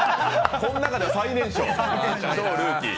この中では最年少、超ルーキー。